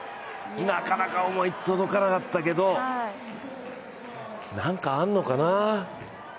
なかなか思い、届かなかったけど、なんかあんのかな？